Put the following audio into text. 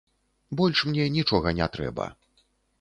Больш мне нічога не трэба.